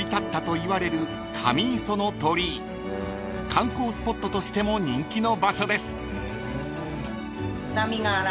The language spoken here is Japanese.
［観光スポットとしても人気の場所です］